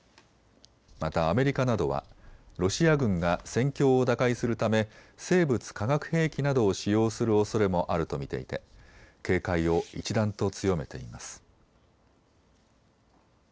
またアメリカなどはロシア軍が戦況を打開するため生物・化学兵器などを使用するおそれもあると見ていて警戒を一段と強めています。